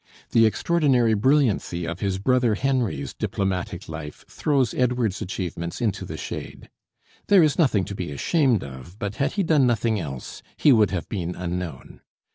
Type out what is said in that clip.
The extraordinary brilliancy of his brother Henry's diplomatic life throws Edward's achievements into the shade. There is nothing to be ashamed of, but had he done nothing else he would have been unknown.